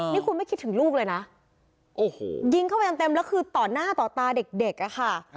นี่คุณไม่คิดถึงลูกเลยนะโอ้โหยิงเข้าไปเต็มแล้วคือต่อหน้าต่อตาเด็กอะค่ะ